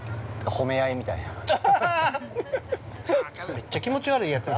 ◆めっちゃ気持ち悪いやつや。